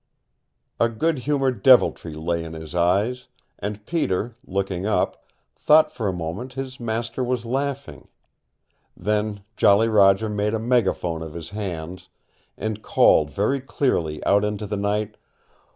A good humored deviltry lay in his eyes, and Peter looking up thought for a moment his master was laughing. Then Jolly Roger made a megaphone of his hands, and called very clearly out into the night.